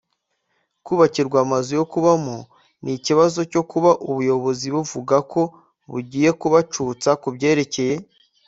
kubakirwa amazu yo kubamo n ikibazo cyo kuba ubuyobozi buvuga ko bugiye kubacutsa ku byerekeye